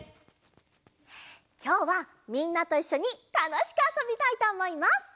きょうはみんなといっしょにたのしくあそびたいとおもいます！